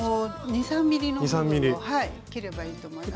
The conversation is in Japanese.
２３ｍｍの部分を切ればいいと思います。